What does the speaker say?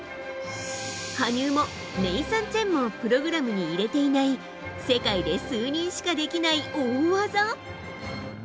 羽生もネイサン・チェンもプログラムに入れていない世界で数人しかできない大技。